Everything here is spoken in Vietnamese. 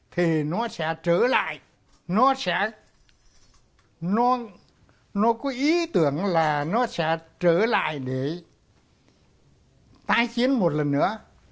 thì nó sẽ trở lại nó sẽ có ý tưởng là nó sẽ trở lại để tái chiến một lần nữa